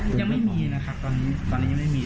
ยังไม่มีนะครับตอนนี้ยังไม่มี